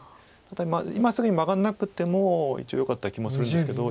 ただ今すぐにマガらなくても一応よかった気もするんですけど。